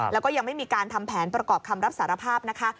แล้วก็ยังไม่มีการทำแผนประกอบคำรับสารภาพนะคะ